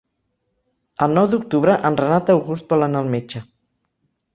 El nou d'octubre en Renat August vol anar al metge.